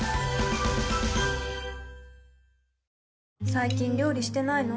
最近料理してないの？